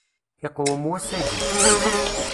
Iqwem wass-aki.